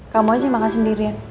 kamu aja makan sendirian